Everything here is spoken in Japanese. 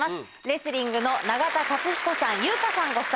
レスリングの永田克彦さん優華さんご夫妻。